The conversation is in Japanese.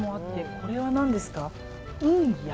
これは何ですか。